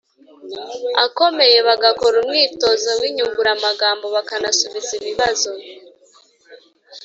akomeye, bagakora umwitozo w’inyunguramagambo bakanasubiza ibibazo